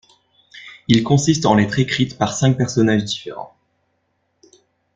Il consiste en lettres écrites par cinq personnages différents.